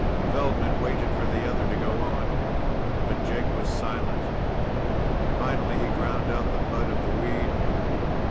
Feldman waited for the other to go on, but Jake was silent. Finally, he ground out the butt of the weed.